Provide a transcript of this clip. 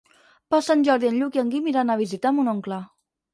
Per Sant Jordi en Lluc i en Guim iran a visitar mon oncle.